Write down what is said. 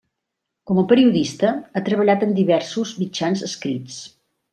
Com a periodista, ha treballat en diversos mitjans escrits.